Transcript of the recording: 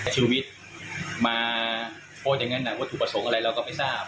ชีวิตมาโพสต์อย่างแหง่หน่ะถึงโปรสงข์อะไรเราก็ไม่ทราบ